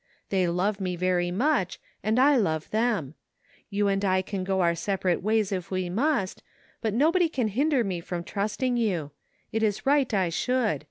They love me very much and I love them. You and I can go our separate ways if we must, but nobody can hinder me from trusting you. It is right I should.